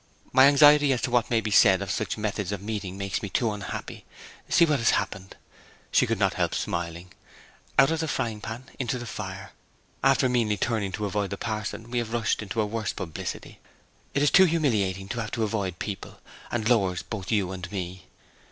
'My anxiety as to what may be said of such methods of meeting makes me too unhappy. See what has happened!' She could not help smiling. 'Out of the frying pan into the fire! After meanly turning to avoid the parson we have rushed into a worse publicity. It is too humiliating to have to avoid people, and lowers both you and me.